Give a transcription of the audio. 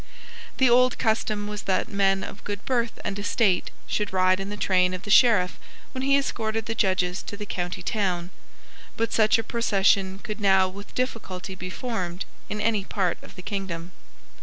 The old custom was that men of good birth and estate should ride in the train of the Sheriff when he escorted the Judges to the county town: but such a procession could now with difficulty be formed in any part of the kingdom.